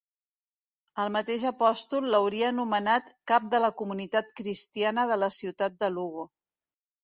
El mateix apòstol l'hauria nomenat cap de la comunitat cristiana de la ciutat de Lugo.